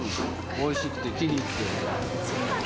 おいしくて気に入って。